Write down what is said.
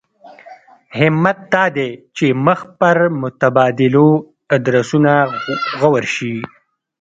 همت دا دی چې مخ پر متبادلو ادرسونو غور وشي.